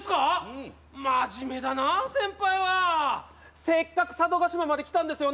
うん真面目だな先輩はせっかく佐渡島まで来たんですよ